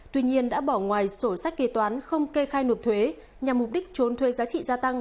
tuy nhiên đã bỏ ngoài sổ sách kế toán không kê khai nộp thuế nhằm mục đích trốn thuế giá trị gia tăng